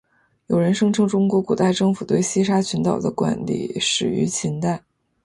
有人声称中国古代政府对西沙群岛的管理始于秦代。